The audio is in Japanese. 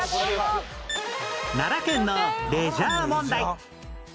奈良県のレジャー問題